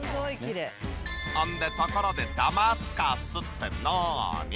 ほんでところで「ダマスカス」ってなに？